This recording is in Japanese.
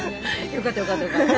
よかったよかったよかった。